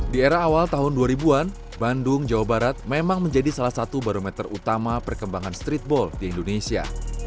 di era awal tahun dua ribu an bandung jawa barat memang menjadi salah satu barometer utama perkembangan streetball di indonesia